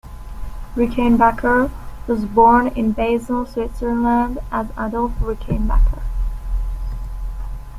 Rickenbacker was born in Basel, Switzerland as Adolf Rickenbacher.